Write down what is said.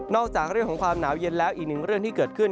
จากเรื่องของความหนาวเย็นแล้วอีกหนึ่งเรื่องที่เกิดขึ้น